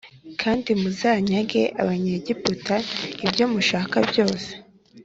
kandi muzanyage Abanyegiputa ibyomushaka byose